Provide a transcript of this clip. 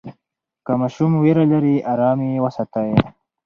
که ماشوم ویره لري، آرام یې وساتئ.